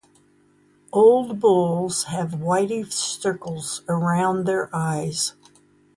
Old bulls have whitish circles around their eyes.